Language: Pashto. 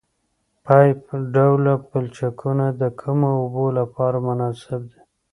پایپ ډوله پلچکونه د کمو اوبو لپاره مناسب دي